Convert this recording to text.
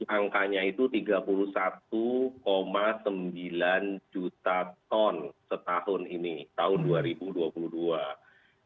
angkanya itu tiga puluh satu sembilan juta ton setahun ini tahun dua ribu dua puluh dua